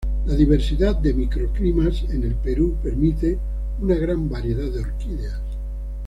La diversidad de microclimas en el Perú permite una gran variedad de orquídeas.